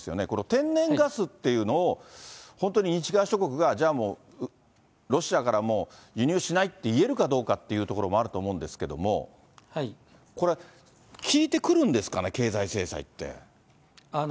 この天然ガスっていうのを、本当に西側諸国が、じゃあもう、ロシアからもう輸入しないって言えるかどうかっていうところもあると思うんですけれども、これ、効いてくるんですかね、経済制裁って。